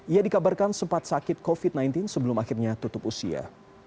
ia dikabarkan sempat sakit covid sembilan belas sebelum akhirnya tutup usia